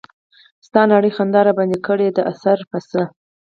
ستا نرۍ خندا راباندې کړے دے اثر پۀ څۀ